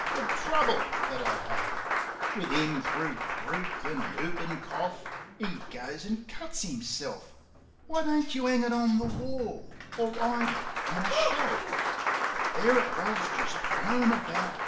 the trouble that I've 'ad Wiv 'im thro' croop an' whoopin' corf, 'e goes an' cuts 'imself! Why don't you 'ang it on the wall, or 'ide it on a shelf? But there it wus, jist thrown about.